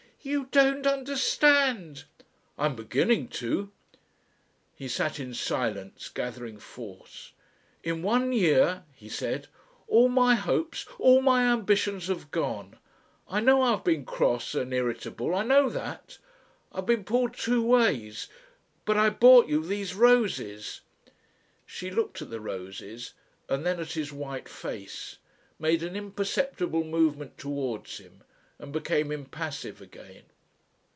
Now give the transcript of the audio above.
"You don't understand." "I'm beginning to." He sat in silence gathering force. "In one year," he said, "all my hopes, all my ambitions have gone. I know I have been cross and irritable I know that. I've been pulled two ways. But ... I bought you these roses." She looked at the roses, and then at his white face, made an imperceptible movement towards him, and became impassive again.